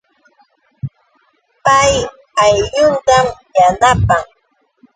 Pay aylluntam yanapan